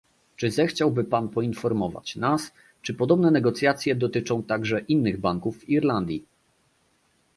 Czy zechciałby pan poinformować nas, czy podobne negocjacje dotyczą także innych banków w Irlandii?